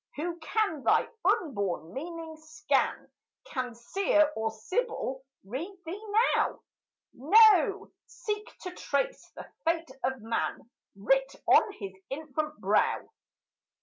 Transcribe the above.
Who can thy unborn meaning scan? Can Seer or Sibyl read thee now? No, seek to trace the fate of man Writ on his infant brow.